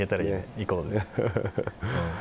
行こう。